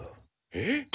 えっ？